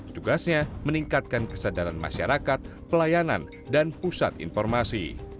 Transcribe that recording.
tugasnya meningkatkan kesadaran masyarakat pelayanan dan pusat informasi